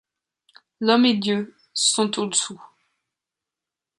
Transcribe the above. L’homme et Dieu, sont au-dessous